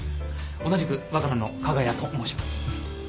同じくワカランの加賀谷と申します。